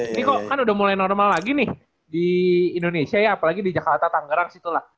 ini kok kan udah mulai normal lagi nih di indonesia ya apalagi di jakarta tangerang situlah